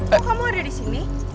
bapak kamu ada di sini